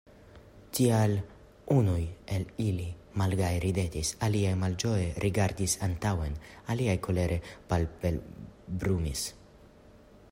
Tial unuj el ili malgaje ridetis, aliaj malĝoje rigardis antaŭen, aliaj kolere palpebrumis.